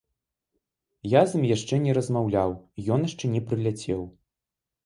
Я з ім яшчэ не размаўляў, ён яшчэ не прыляцеў.